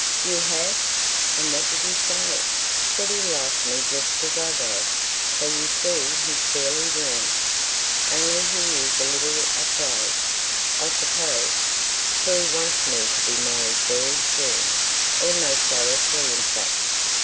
"You have! and what did he say?" "That he liked me just as I was; so you see he's fairly warned. Only he's a little afraid, I suppose, for he wants me to be married very soon, almost directly, in fact.